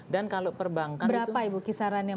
dan kalau perbankan itu berapa ibu kisarannya